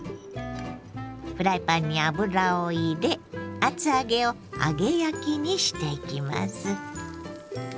フライパンに油を入れ厚揚げを揚げ焼きにしていきます。